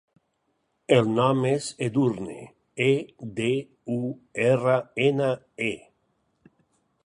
El nom és Edurne: e, de, u, erra, ena, e.